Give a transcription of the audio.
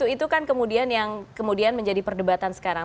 itu kan kemudian yang kemudian menjadi perdebatan sekarang